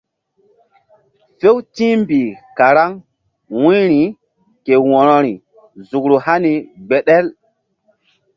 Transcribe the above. Few ti̧h mbih karaŋ wu̧yri ke wo̧rori nzukru hani gbeɗel.